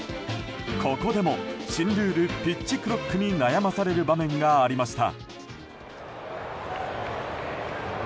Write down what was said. ここでも新ルール、ピッチクロックに悩まされる場面がありました。